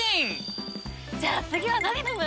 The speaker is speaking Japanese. じゃあ次は何飲む？